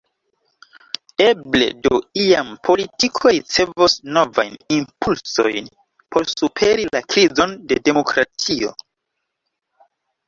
Eble do iam politiko ricevos novajn impulsojn por superi la krizon de demokratio.